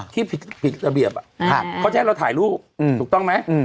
ที่ผิดระเบียบเขาจะให้เราถ่ายรูปถูกต้องไหม